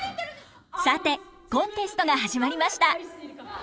さてコンテストが始まりました。